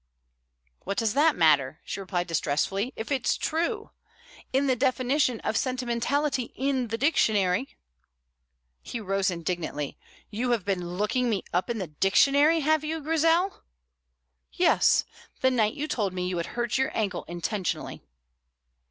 "What does that matter," she replied distressfully, "if it is true? In the definition of sentimentality in the dictionary " He rose indignantly. "You have been looking me up in the dictionary, have you, Grizel?" "Yes, the night you told me you had hurt your ankle intentionally."